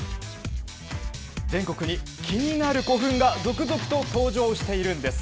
全国に気になる古墳が続々と登場しているんです。